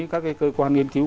các cái cơ quan nghiên cứu